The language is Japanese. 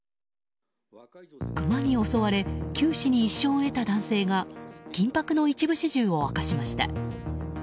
クマに襲われ九死に一生を得た男性が緊迫の一部始終を明かしました。